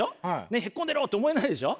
ねっへっこんでろって思えないでしょ。